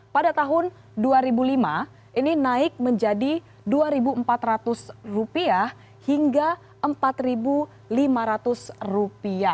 pada tahun dua ribu lima ini naik menjadi rp dua empat ratus hingga rp empat lima ratus